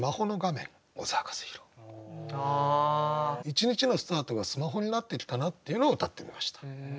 一日のスタートがスマホになってきたなっていうのをうたってみました。